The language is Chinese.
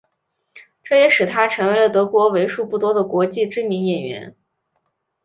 这也使他成为了德国为数不多的国际知名的演员。